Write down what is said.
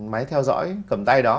máy theo dõi cầm tay đó